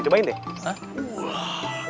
cobain deh ulala